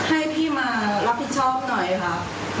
ให้พี่มารับผิดชอบหน่อยค่ะ